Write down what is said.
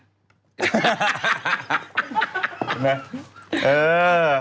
ดีไหม